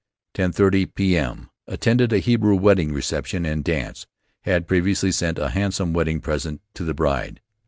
10:30 P.M.: Attended a Hebrew wedding reception and dance. Had previously sent a handsome wedding present to the bride.